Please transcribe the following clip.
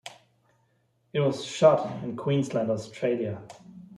It was shot in Queensland, Australia.